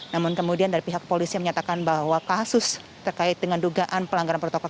namun kemudian dari pihak polisi yang menyatakan bahwa kasus terkait dengan dugaan pelanggaran protokol